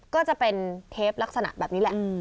ก็จะเป็นเทปลักษณะแบบนี้แหละ